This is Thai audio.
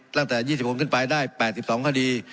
ตั้งแต่๒๖ขึ้นไปได้๘๒คดี